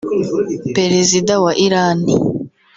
perezida wa Irani